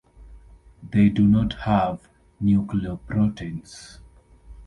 They do not have nucleoproteins.